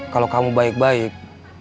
kalau kamu baik baik